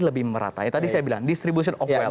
lebih merata tadi saya bilang distribution of wealth